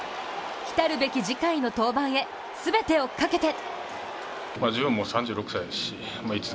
来たるべき次回の登板へ、全てをかけて。